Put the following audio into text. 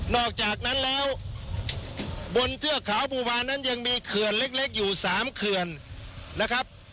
อกจากนั้นแล้วบนเทือกเขาภูวานั้นยังมีเขื่อนเล็กอยู่๓เขื่อนนะครับ